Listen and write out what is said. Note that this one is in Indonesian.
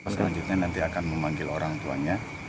selanjutnya nanti akan memanggil orang tuanya